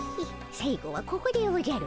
最後はここでおじゃる。